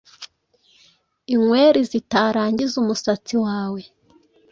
inyweri zitarangiza umusatsi wawe